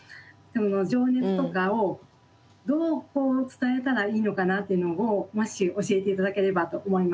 情熱とかをどう伝えたらいいのかなっていうのをもし教えて頂ければと思います。